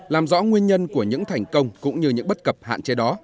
làm rõ nguyên nhân của những thành công cũng như những bất cập hạn chế đó